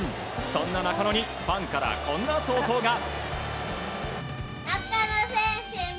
そんな中野にファンからこんな投稿が。